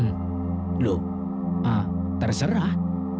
hmm lo ah terserah